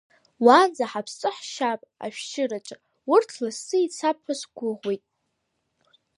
Уаанӡа ҳаԥсы ҳшьап ашәшьыраҿы, урҭ лассы ицап ҳәа сгәыӷуеит.